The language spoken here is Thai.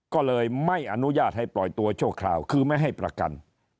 ก็เลยไม่อนุญาตให้ปล่อยตัวชั่วคราวคือไม่ให้ประกัน